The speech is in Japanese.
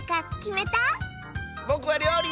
ぼくはりょうり！